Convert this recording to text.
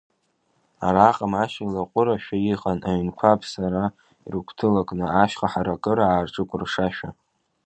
Араҟа маҷк илаҟәырашәа иҟан, аҩнқәа аԥсара ирыгәҭылакны, ашьха ҳаракыра аарҿыкәыршашәа.